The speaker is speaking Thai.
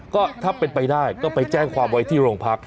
ก็ถ้าเป็นไปได้ก็ไปแจ้งความไว้ที่โรงพัก